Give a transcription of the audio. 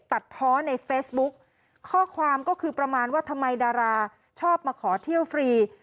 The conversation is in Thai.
ตัดเพาะในเฟซบุ๊กข้อความก็คือประมาณว่าทำไมดาราชอบมาขอเที่ยวฟรี